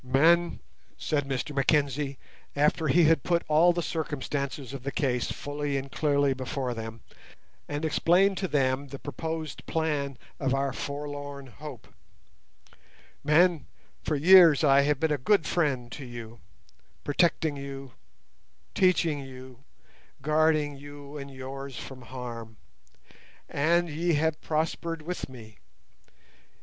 "Men," said Mr Mackenzie, after he had put all the circumstances of the case fully and clearly before them, and explained to them the proposed plan of our forlorn hope—"men, for years I have been a good friend to you, protecting you, teaching you, guarding you and yours from harm, and ye have prospered with me.